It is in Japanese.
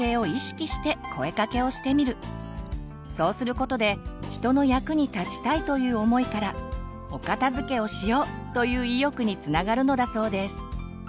そうすることで人の役に立ちたいという思いからお片づけをしよう！という意欲につながるのだそうです。